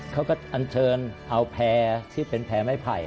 อันเชิญเอาแพร่ที่เป็นแพร่ไม้ไผ่